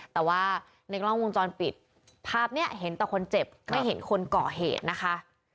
แต่ว่าในกล้องวงจรปิดภาพนี้เห็นแต่คนเจ็บไม่เห็นคนก่อเหตุนะคะ